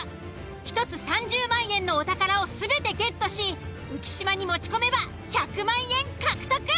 １つ３０万円のお宝を全てゲットし浮島に持ち込めば１００万円獲得。